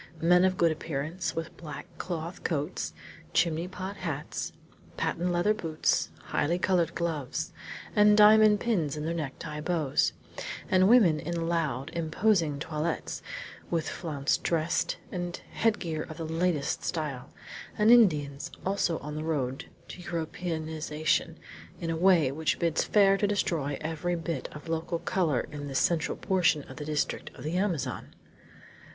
Men of good appearance, with black cloth coats, chimney pot hats, patent leather boots, highly colored gloves, and diamond pins in their necktie bows; and women in loud, imposing toilets, with flounced dressed and headgear of the latest style; and Indians, also on the road to Europeanization in a way which bids fair to destroy every bit of local color in this central portion of the district of the Amazon!